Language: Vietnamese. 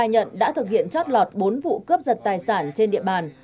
hoặc bốn vụ cướp giật tài sản trên địa bàn